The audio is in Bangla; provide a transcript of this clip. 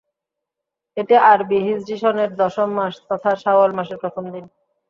এটি আরবি হিজরি সনের দশম মাস তথা শাওয়াল মাসের প্রথম দিন।